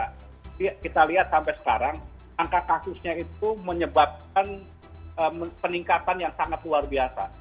kita lihat sampai sekarang angka kasusnya itu menyebabkan peningkatan yang sangat luar biasa